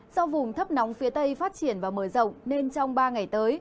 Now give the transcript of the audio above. do vùng thấp nóng phía tây phát triển và mở rộng nên trong ba ngày tới